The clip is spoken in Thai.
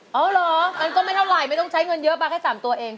เอาเหรอมันก็ไม่เท่าไหร่ไม่ต้องใช้เงินเยอะมาแค่๓ตัวเอง